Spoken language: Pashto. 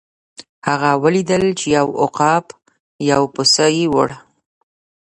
هغه ولیدل چې یو عقاب یو پسه یووړ.